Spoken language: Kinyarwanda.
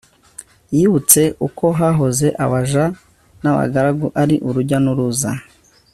yibutse uko hahoze, abaja n'abagaragu ari urujyan'uruza